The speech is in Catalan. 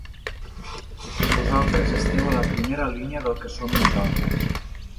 Vosaltres esteu a la primera línia del que som nosaltres.